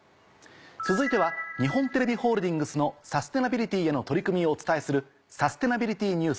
続いては日本テレビホールディングスのサステナビリティへの取り組みをお伝えする。